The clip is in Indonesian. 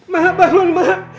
mbak bangun mbak